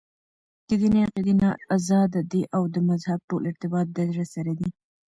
دديني عقيدي نه ازاد دي او دمذهب ټول ارتباط دزړه سره دى .